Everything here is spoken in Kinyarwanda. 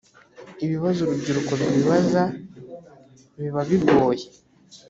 ibibazo urubyiruko rwibaza bibabigoye.